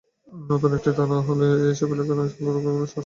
নতুন একটি থানা হলে এসব এলাকার আইনশৃঙ্খলা রক্ষা করা সহজ হবে।